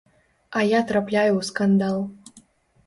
А я трапляю ў скандал.